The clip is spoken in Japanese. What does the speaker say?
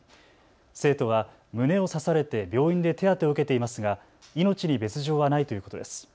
生徒は胸を刺されて病院で手当てを受けていますが命に別状はないということです。